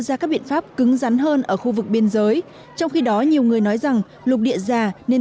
ra các biện pháp cứng rắn hơn ở khu vực biên giới trong khi đó nhiều người nói rằng lục địa già nên